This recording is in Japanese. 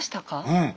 うん。